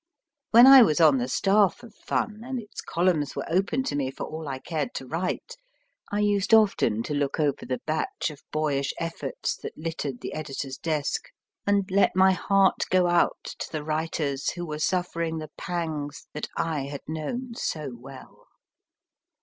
When I was on the staff of Fun, and its columns were open to me for all I cared to write, I used often to look over the batch of boy ish efforts that littered the editor s desk, and let my heart go out to the writers who were suffering the pangs that I had known " j A so well.